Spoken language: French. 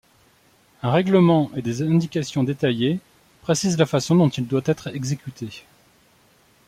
Un règlement et des indications détaillées précisent la façon dont il doit être exécuté.